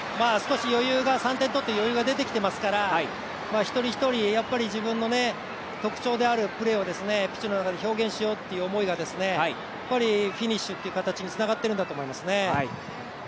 ３点取って余裕が出てきてますから、一人一人自分の特徴であるプレーをピッチの中で表現しようという思いがフィニッシュっていう形につながっているんだと思いますね。